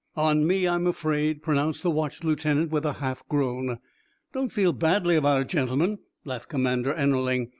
"On me, I'm afraid," pronounced the watch lieutenant, with a half groan. "Don't feel badly about it, gentlemen," laughed Commander Ennerling.